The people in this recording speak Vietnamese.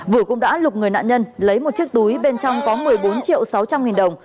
vũ cũng đã lục người nạn nhân lấy một chiếc túi bên trong có một mươi bốn triệu sáu trăm linh nghìn đồng